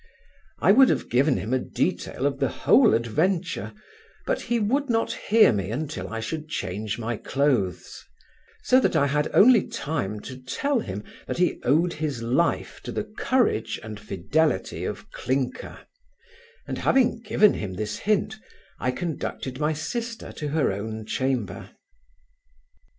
I would have given him a detail of the whole adventure, but he would not hear me until I should change my clothes; so that I had only time to tell him, that he owed his life to the courage and fidelity of Clinker: and having given him this hint, I conducted my sister to her own chamber.